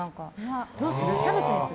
どうする？